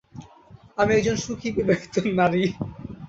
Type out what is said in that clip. আমি একজন সুখী বিবাহিত নারী।